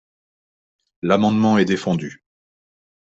L’amendement est défendu.